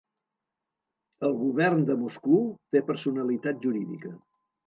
El Govern de Moscou té personalitat jurídica.